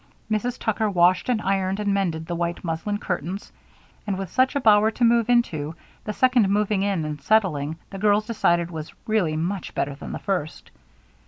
Mrs. Tucker washed and ironed and mended the white muslin curtains; and, with such a bower to move into, the second moving in and settling, the girls decided, was really better than the first.